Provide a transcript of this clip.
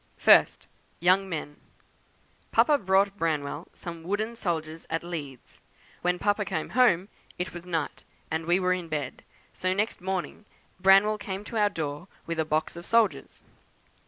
First, 'Young Men.' Papa bought Branwell some wooden soldiers at Leeds; when Papa came home it was night, and we were in bed, so next morning Branwell came to our door with a box of soldiers.